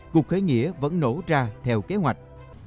cuộc khởi nghĩa vẫn nổ ra theo kế hoạch